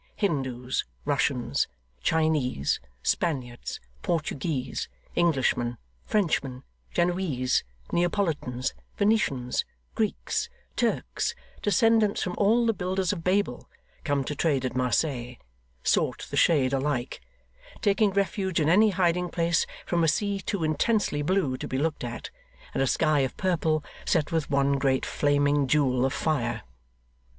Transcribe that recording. Hindoos, Russians, Chinese, Spaniards, Portuguese, Englishmen, Frenchmen, Genoese, Neapolitans, Venetians, Greeks, Turks, descendants from all the builders of Babel, come to trade at Marseilles, sought the shade alike taking refuge in any hiding place from a sea too intensely blue to be looked at, and a sky of purple, set with one great flaming jewel of fire.